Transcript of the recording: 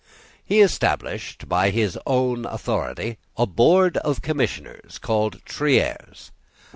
He established, by his own authority, a board of commissioners, called Triers.